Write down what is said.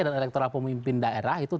dan elektoral pemimpin daerah itu